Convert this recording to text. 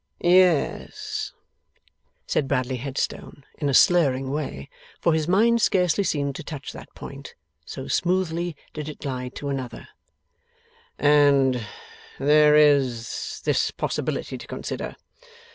'Yes,' said Bradley Headstone in a slurring way, for his mind scarcely seemed to touch that point, so smoothly did it glide to another, 'and there is this possibility to consider.